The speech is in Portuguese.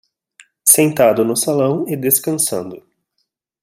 Sentado no salão e descansando